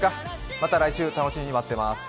また来週楽しみに待ってます。